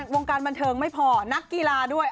วงการบันเทิงไม่พอนักกีฬาด้วย